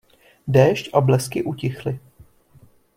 Déšť a blesky utichly.